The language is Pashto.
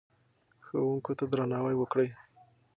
ښوونکو ته درناوی وکړئ.